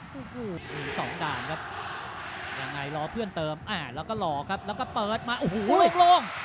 โอ้โหมีสองด่านครับยังไงรอเพื่อนเติมอ่าแล้วก็รอครับแล้วก็เปิดมาโอ้โหลง